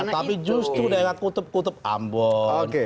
tapi justru dengan kutub kutub ambon